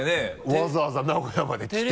わざわざ名古屋まで来て。